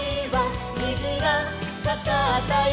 「にじがかかったよ」